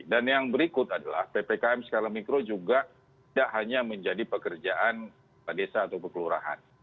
dan yang berikut adalah ppkm skala mikro juga tidak hanya menjadi pekerjaan badesa atau kekelurahan